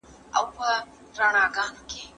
دغه نرمغالی د پخواني جنګ په اړه معلومات ورکوی.